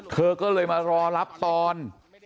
เธอก็เลยมารอรับตอน